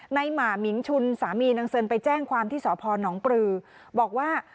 หมามิงชุนสามีนางเซินไปแจ้งความที่สพนปลือบอกว่า